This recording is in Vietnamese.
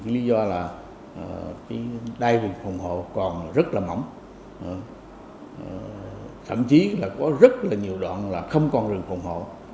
lý do là đai rừng phòng hộ còn rất mỏng thậm chí có rất nhiều đoạn không còn rừng phòng hộ